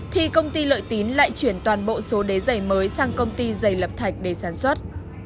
thì công ty lợi tín lại chuyển toàn bộ số đế giày mới sang công ty dày lập thạch để sản xuất